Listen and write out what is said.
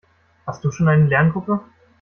Hast du schon eine Lerngruppe?